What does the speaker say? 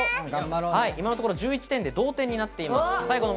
今のところ１１点で同点になっています。